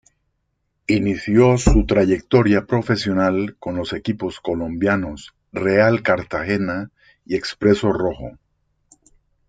Inició su trayectoria profesional con los equipos colombianos Real Cartagena y Expreso Rojo.